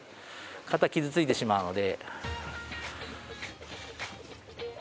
型傷ついてしまうので。